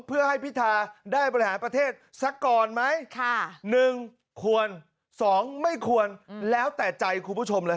เพื่อให้พิธาได้บริหารประเทศสักก่อนไหม๑ควร๒ไม่ควรแล้วแต่ใจคุณผู้ชมเลย